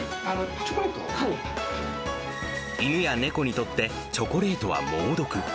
犬や猫にとってチョコレートは猛毒。